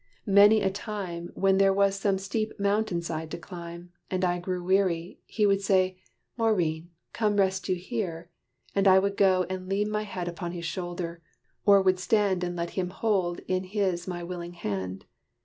Many a time When there was some steep mountain side to climb, And I grew weary, he would say, "Maurine, Come rest you here." And I would go and lean My head upon his shoulder, or would stand And let him hold in his my willing hand.